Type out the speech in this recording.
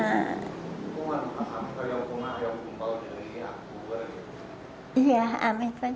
ada yang anak anak kemana